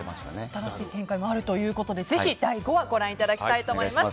新しい展開もあるということでぜひ、第５話ご覧いただきたいと思います。